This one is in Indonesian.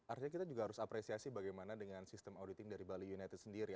artinya kita juga harus apresiasi bagaimana dengan sistem auditing dari bali united sendiri